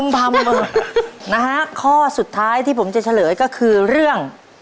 นะฮะข้อสุดท้ายที่ผมจะเฉลยก็คือเรื่อง